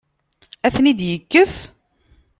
Ad ten-id-yekkes?